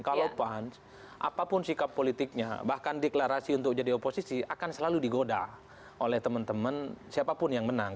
kalau pan apapun sikap politiknya bahkan deklarasi untuk jadi oposisi akan selalu digoda oleh teman teman siapapun yang menang